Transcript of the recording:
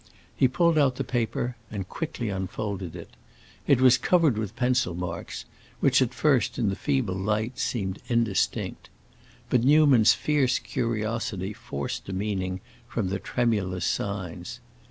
He pulled out the paper and quickly unfolded it. It was covered with pencil marks, which at first, in the feeble light, seemed indistinct. But Newman's fierce curiosity forced a meaning from the tremulous signs.